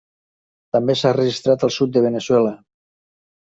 També s'ha registrat al sud de Veneçuela.